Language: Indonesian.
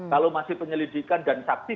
kalau masih penyelidikan dan sakti